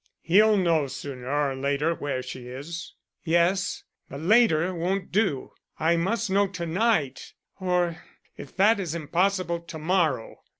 He'll know sooner or later where she is." "Yes, but later won't do. I must know to night; or, if that is impossible, to morrow.